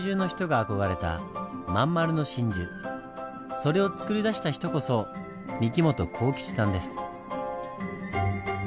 それをつくり出した人こそ御木本幸吉さんです。